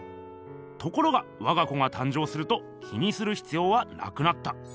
ところがわが子が誕生すると気にするひつようはなくなった。